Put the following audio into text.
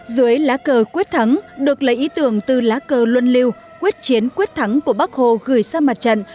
dưới lá cờ quyết thắng được lấy ý tưởng từ lá cờ luân lưu quyết chiến quyết thắng của bắc hồ gửi sang mặt trận